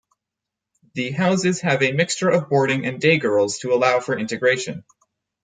The houses have a mixture of boarding and day girls to allow for integration.